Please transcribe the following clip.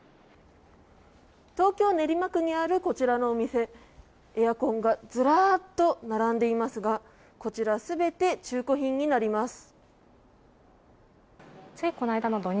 東京・練馬区にあるこちらのお店エアコンがずらっと並んでいますがこちら、全て中古品になります。